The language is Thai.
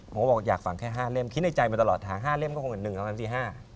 ผมก็บอกอยากฝั่งแค่๕เล่มคิดในใจไปตลอดถาม๕เล่มก็คงเป็น๑แล้วก็คงเป็นที่๕